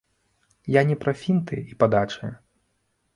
Я не пра фінты і падачы.